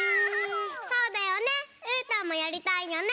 そうだよねうーたんもやりたいよね。